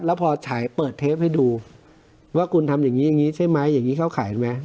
แล้วพอเปิดเทปให้ดูว่าคุณทำอย่างนี้อย่างนี้ใช่ไหมอย่างนี้เข้าขายรู้ไหม